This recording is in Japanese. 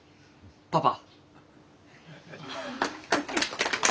パパ。